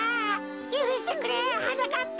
ゆるしてくれはなかっぱ。